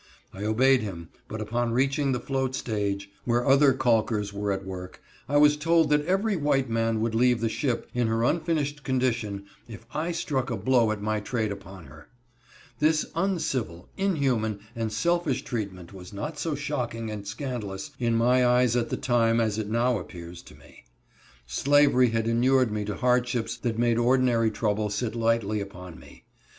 I obeyed him, but upon reaching the float stage, where others calkers were at work, I was told that every white man would leave the ship, in her unfinished condition, if I struck a blow at my trade upon her. This uncivil, inhuman, and selfish treatment was not so shocking and scandalous in my eyes at the time as it now appears to me. Slavery had inured me to hardships that made ordinary trouble sit lightly upon me.